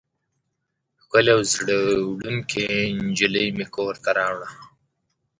ښکلې او زړه وړونکې نجلۍ مې کور ته راوړه.